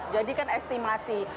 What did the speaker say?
jadi kan estimasi